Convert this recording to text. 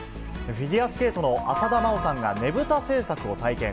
フィギュアスケートの浅田真央さんがねぶた制作を体験。